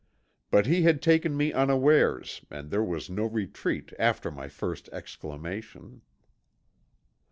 But he had taken me unawares and there was no retreat after my first exclamation.